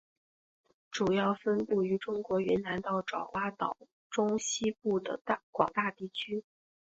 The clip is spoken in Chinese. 主要分布于中国云南到爪哇岛中西部的广大地区。